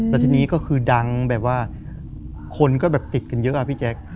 แล้วทีนี้ก็คือดังแบบว่าคนก็แบบติดกันเยอะอะพี่แจ๊ค